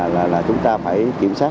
là chúng ta phải kiểm soát